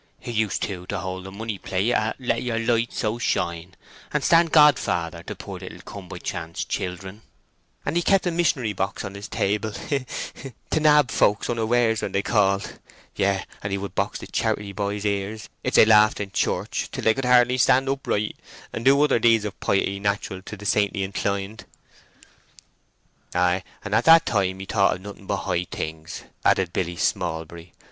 He used, too, to hold the money plate at Let Your Light so Shine, and stand godfather to poor little come by chance children; and he kept a missionary box upon his table to nab folks unawares when they called; yes, and he would box the charity boys' ears, if they laughed in church, till they could hardly stand upright, and do other deeds of piety natural to the saintly inclined." "Ay, at that time he thought of nothing but high things," added Billy Smallbury.